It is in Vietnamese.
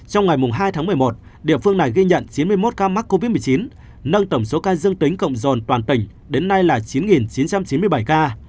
trong ngày hai tháng một mươi một địa phương này ghi nhận chín mươi một ca mắc covid một mươi chín nâng tổng số ca dương tính cộng dồn toàn tỉnh đến nay là chín chín trăm chín mươi bảy ca